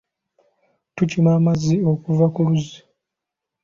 Tukima amazzi okuva ku luzzi.